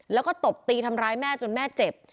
แล้วก็ตบตีทำร้ายแม่จนแม่เจ็บ